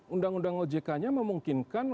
undang undang ojk nya memungkinkan